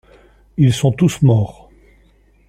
Ils sont tous morts.